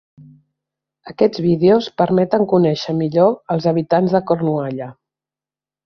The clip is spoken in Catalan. Aquests vídeos permeten conèixer millor els habitants de Cornualla.